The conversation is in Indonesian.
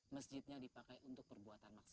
masjidnya dipakai untuk perbuatan maksimal